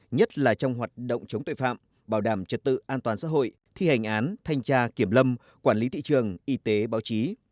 nhất là trong hoạt động chống tội phạm bảo đảm trật tự an toàn xã hội thi hành án thanh tra kiểm lâm quản lý thị trường y tế báo chí